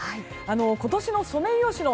今年のソメイヨシノ